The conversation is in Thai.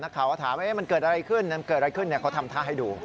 นักข่าวเขาถามมันเกิดอะไรขึ้นเขาทำท่าให้ดู